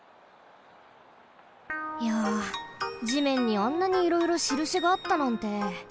いや地面にあんなにいろいろしるしがあったなんて。